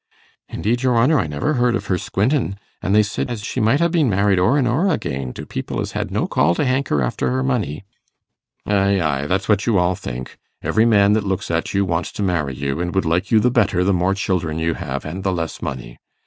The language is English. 'Indeed, your honour, I never heard of her squintin', an' they said as she might ha' been married o'er and o'er again, to people as had no call to hanker after her money.' 'Ay, ay, that's what you all think. Every man that looks at you wants to marry you, and would like you the better the more children you have and the less money.